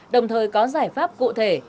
đồng thời có giải pháp cụ thể